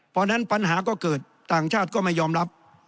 เพราะฉะนั้นปัญหาก็เกิดต่างชาติก็ไม่ยอมรับ